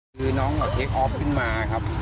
คือน้องเทคออฟขึ้นมาครับ